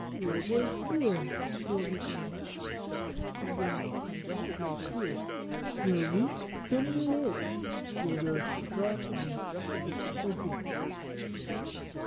Your white beard will become black; your dim eyes will grow clear; your weak, thin legs will grow strong and stout again."